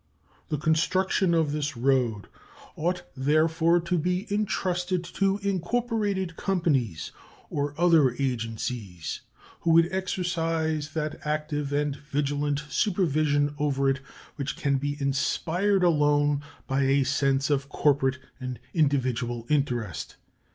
The construction of this road ought, therefore, to be intrusted to incorporated companies or other agencies who would exercise that active and vigilant supervision over it which can be inspired alone by a sense of corporate and individual interest.